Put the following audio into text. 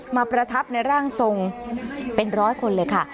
ประทับในร่างทรงเป็นร้อยคนเลยค่ะ